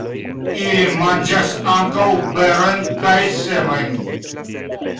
Ili manĝas ankaŭ berojn kaj semojn.